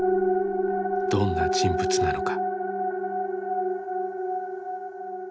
どんな人物なのか。